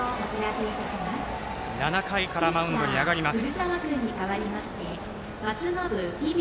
７回からマウンドに上がります。